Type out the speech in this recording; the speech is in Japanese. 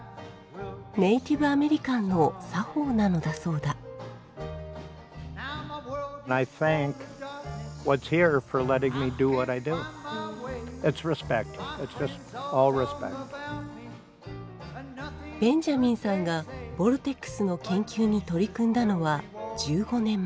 ネイティブ・アメリカンの作法なのだそうだベンジャミンさんがボルテックスの研究に取り組んだのは１５年前。